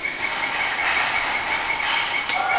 بهرني کلتورونه اغېزمن شول.